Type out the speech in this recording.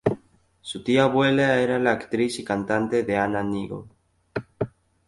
Su tía abuela era la actriz y cantante Anna Neagle.